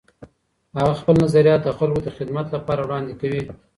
هغه خپل نظریات د خلګو د خدمت لپاره وړاندې کوي.